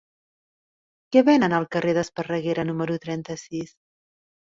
Què venen al carrer d'Esparreguera número trenta-sis?